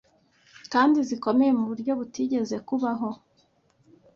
kandi zikomeye mu buryo butigeze bubaho